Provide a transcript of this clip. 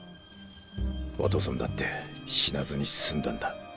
ワトソンだって死なずに済んだんだ。